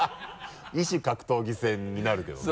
異種格闘技戦になるけどね。